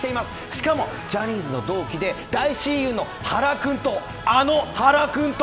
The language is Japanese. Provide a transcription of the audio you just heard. しかもジャニーズの同期で大親友の原君と、あの原君と！